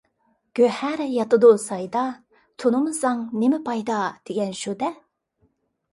«گۆھەر ياتىدۇ سايدا، تونۇمىساڭ نېمە پايدا» دېگەن شۇ-دە.